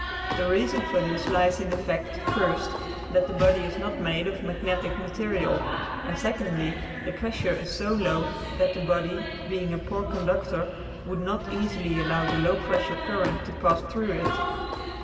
The reason for this lies in the fact, first, that the body is not made of magnetic material, and, secondly, the pressure is so low that the body being a poor conductor would not easily allow the low pressure current to pass through it.